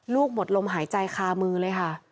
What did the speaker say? หมดลมหายใจคามือเลยค่ะ